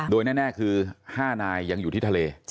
โดยแน่คือ๕นายยังอยู่ที่ทะเล